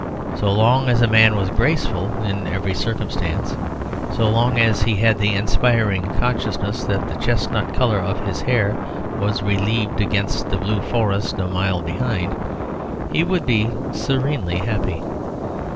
So long as a man was graceful in every circumstance, so long as he had the inspiring consciousness that the chestnut colour of his hair was relieved against the blue forest a mile behind, he would be serenely happy.